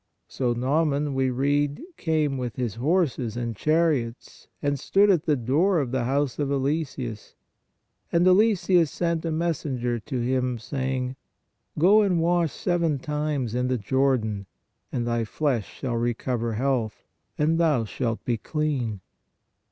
" So Naaman," we read, " came with his horses and chariots, and stood at the door of the house of Eliseus; and Eliseus sent a messenger to him, saying: Go and wash seven times in the Jordan, and thy flesh shall recover health, and thou shalt be clean.